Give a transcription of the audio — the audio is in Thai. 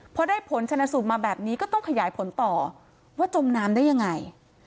พอได้ผลชนะสูตรมาแบบนี้ก็ต้องขยายผลต่อว่าจมน้ำได้ยังไง